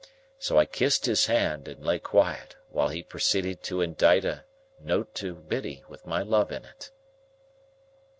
So I kissed his hand, and lay quiet, while he proceeded to indite a note to Biddy, with my love in it.